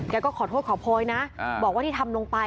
ก็ขอโทษขอโพยนะบอกว่าที่ทำลงไป